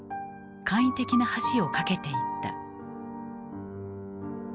簡易的な橋を架けていった。